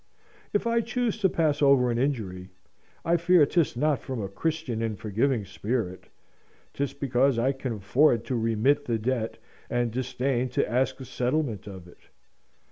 If I choose to pass over an injury, I fear 'tis not from a Christian and forgiving spirit: 'tis because I can afford to remit the debt, and disdain to ask a settlement of it.